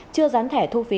chưa gián thẻ thu phí